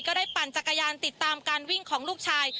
ได้ปั่นจักรยานติดตามการวิ่งของลูกชาย